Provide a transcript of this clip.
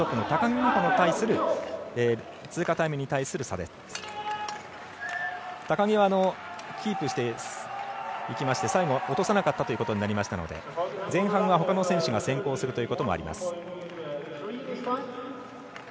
高木はキープしていきまして最後、落とさなかったということになりましたので前半はほかの選手が先行することもあります。